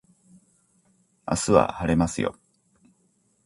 明日は晴れますよ